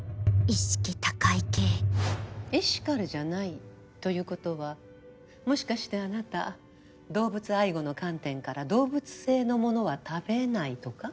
意識高い系エシカルじゃないということはもしかしてあなた動物愛護の観点から動物性のものは食べないとか？